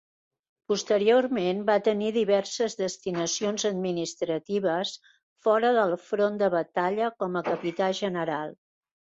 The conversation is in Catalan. Posteriorment va tenir diverses destinacions administratives fora del front de batalla com a Capità General.